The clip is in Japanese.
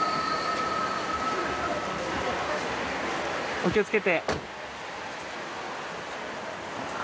お気をつけて。